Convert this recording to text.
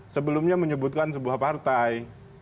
sebelumnya menyebutkan sebuah partai